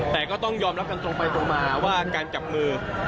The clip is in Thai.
แต่ก็ต้องยอมรับกันตรงไปตรงมาว่าการจับมือ